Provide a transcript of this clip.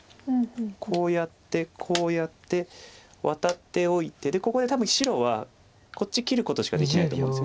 こうやってこうやってワタっておいてでここで多分白はこっち切ることしかできないと思うんです。